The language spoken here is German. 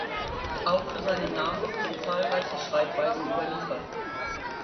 Auch für seinen Namen sind zahlreiche Schreibweisen überliefert.